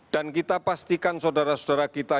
dan kita pastikan saudara saudara kita